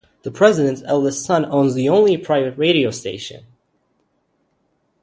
The president's eldest son owns the only private radio station.